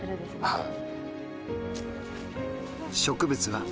はい。